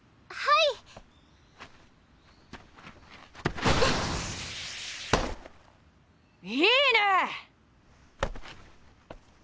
いいね！